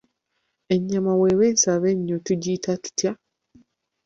Ennyama bweba ensava nnyo tugiyita tutya?